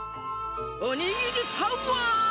おにぎりパワー！